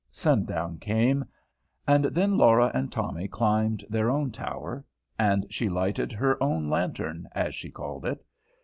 Sundown came. And then Laura and Tommy climbed their own tower, and she lighted her own lantern, as she called it.